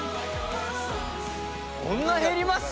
こんな減ります？